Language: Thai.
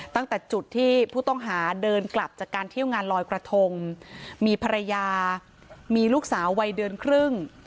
ตั้งแต่จุดที่ผู้ต้องหาเดินกลับจากการเที่ยวงานลอยกระทงมีภรรยามีลูกสาววัยเดือนครึ่ง